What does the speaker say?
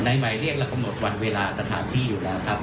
หมายเรียกเรากำหนดวันเวลาสถานที่อยู่แล้วครับ